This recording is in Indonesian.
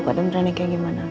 kadang kadang ini kayak gimana